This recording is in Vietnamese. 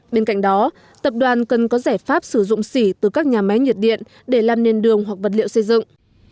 bên cạnh đó tập đoàn cần có giải pháp sử dụng xỉ từ các nhà máy nhiệt điện để làm nền đường hoặc vật liệu xây dựng